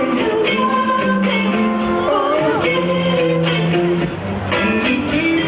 ฉันจะรักคุณทุกคนมากครับผม